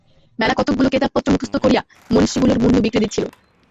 মেলা কতকগুলো কেতাবপত্র মুখস্থ করিয়ে মনিষ্যিগুলোর মুণ্ডু বিগড়ে দিচ্ছিল।